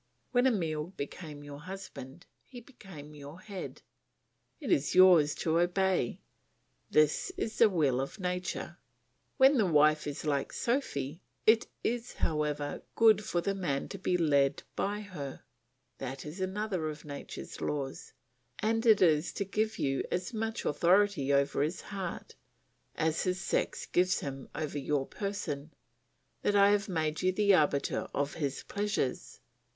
When Emile became your husband, he became your head, it is yours to obey; this is the will of nature. When the wife is like Sophy, it is, however, good for the man to be led by her; that is another of nature's laws, and it is to give you as much authority over his heart, as his sex gives him over your person, that I have made you the arbiter of his pleasures.